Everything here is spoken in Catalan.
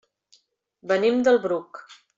Venim del Bruc.